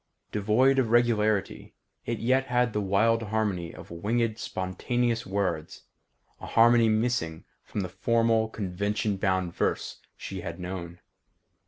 Devoid of regularity, it yet had the wild harmony of winged, spontaneous words; a harmony missing from the formal, convention bound verse she had known.